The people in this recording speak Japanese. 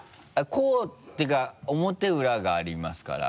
「攻」っていうか「表裏」がありますから。